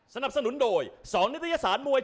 ดาบดำเล่นงานบนเวลาตัวด้วยหันขวา